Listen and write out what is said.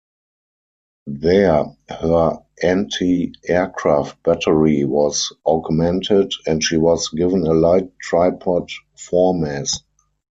There her antiaircraft battery was augmented, and she was given a light tripod foremast.